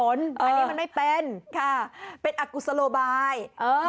อันนี้มันไม่เป็นค่ะเป็นอกุศโลบาย